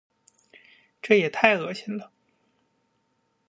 这也太恶心了。